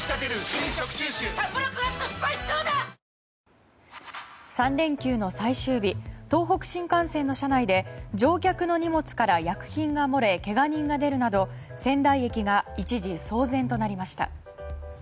「サッポロクラフトスパイスソーダ」３連休の最終日東北新幹線の車内で乗客の荷物から薬品が漏れけが人が出るなど仙台駅が一時騒然となりました。